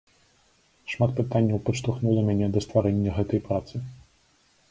Шмат пытанняў падштурхнула мяне да стварэння гэтай працы.